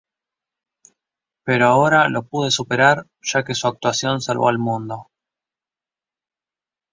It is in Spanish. Pero ahora lo puede superar ya que su actuación salvó al mundo.